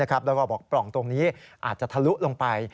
แล้วก็บอกปล่องตรงนี้อาจจะทะลุลงไป